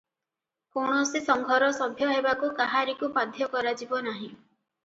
କୌଣସି ସଂଘର ସଭ୍ୟ ହେବାକୁ କାହାରିକୁ ବାଧ୍ୟ କରାଯିବ ନାହିଁ ।